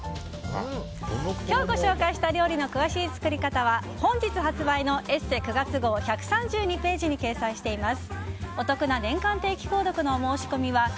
今日ご紹介した料理の詳しい作り方は本日発売の「ＥＳＳＥ」９月号１３２ページに掲載しています。